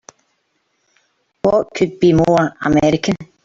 What could be more American!